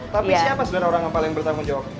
tapi siapa sebenarnya orang yang paling bertanggung jawab